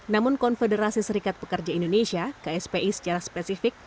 namun konfederasi serikat pekerja indonesia kspi secara spesifik